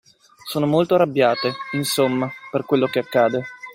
Sono molto arrabbiate, insomma, per quello che accade.